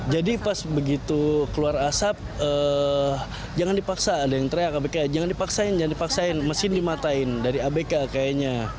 jadi pas begitu keluar asap jangan dipaksa ada yang teriak abk jangan dipaksain mesin dimatain dari abk kayaknya